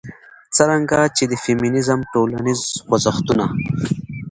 څرنګه چې د فيمنيزم ټولنيز خوځښتونه